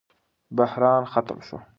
بحران ختم شو.